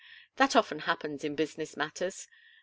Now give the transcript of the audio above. That often happens in business matters.